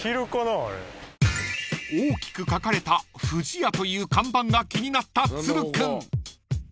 ［大きく書かれた「藤屋」という看板が気になった都留君］